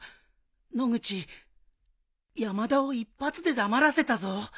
野口山田を一発で黙らせたぞ。